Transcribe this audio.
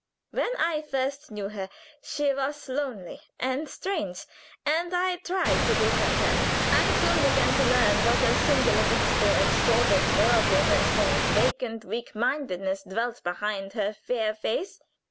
When I first knew her she was lonely and strange, and I tried to befriend her. I soon began to learn what a singular mixture of sordid worldliness and vacant weak mindedness dwelt behind her fair face.